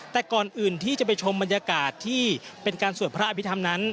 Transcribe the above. แต่ก่อนอื่นที่จะไปชมบรรยากาศที่เป็นการสวดพระอภิษฐรรมนั้น